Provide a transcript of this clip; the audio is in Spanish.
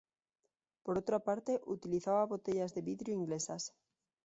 Por otra parte, utilizaba botellas de vidrio inglesas.